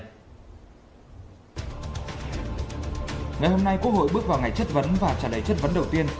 ngày hôm nay quốc hội bước vào ngày chất vấn và trả lời chất vấn đầu tiên